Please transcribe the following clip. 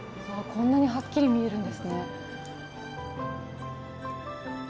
こんなにはっきり見えるんですね。